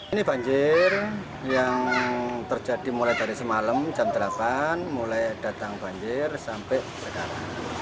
ini banjir yang terjadi mulai dari semalam jam delapan mulai datang banjir sampai sekarang